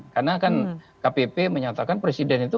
karena kan kpp menyatakan presiden itu